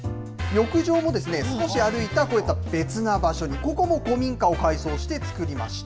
浴場も少し歩いた、こういった別の場所にここも古民家を改装して作りました。